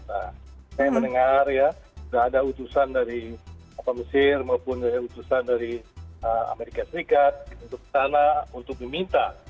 saya mendengar ya sudah ada utusan dari mesir maupun dari utusan dari amerika serikat untuk sana untuk meminta